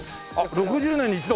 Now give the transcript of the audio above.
６０年に一度！